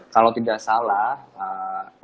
kalau tidak salah